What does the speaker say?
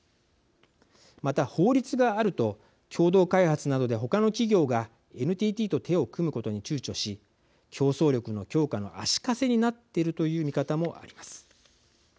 また、法律があると共同開発などで他の企業がＮＴＴと手を組むことにちゅうちょし競争力の強化の足かせになっているという見方もあります。